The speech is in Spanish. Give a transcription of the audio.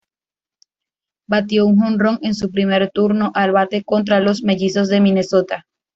Bateó un jonrón en su primer turno al bate contra los Mellizos de Minnesota.